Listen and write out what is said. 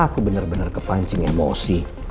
aku bener bener kepancing emosi